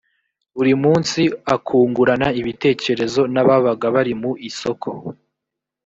buri munsi akungurana ibitekerezo n ababaga bari mu isoko